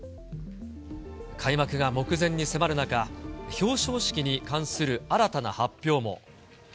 開幕が目前に迫る中、表彰式に関する新たな発表も。